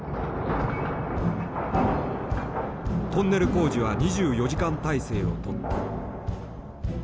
トンネル工事は２４時間体制をとった。